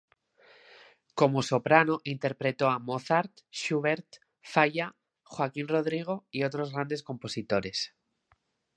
Como soprano interpretó a Mozart, Schubert, Falla, Joaquín Rodrigo y otros grandes compositores.